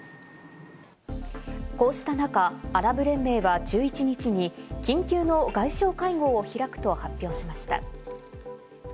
こうした中、アラブ連盟は１１日に緊急の外相会合を開くと発表しました。